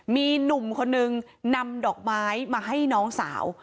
มีหนุ่มคนนึงนำดอกไม้มาให้น้องสาว